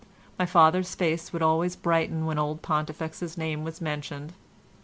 My father's face would always brighten when old Pontifex's name was mentioned.